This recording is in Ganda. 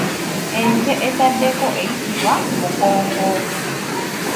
Ente ezaddeko eyitibwa mugongo.